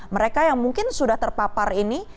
mereka yang mungkin sudah terpapar ini